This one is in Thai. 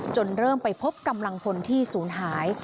จนเริ่มไปพบกำลังภนที่สูญหาย